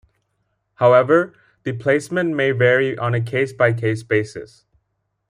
However, the placement may vary on a case by case basis.